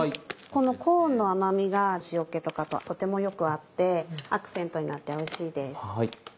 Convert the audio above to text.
このコーンの甘みが塩気とかととてもよく合ってアクセントになっておいしいです。